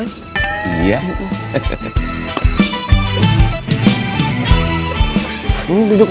duduk dulu silahkan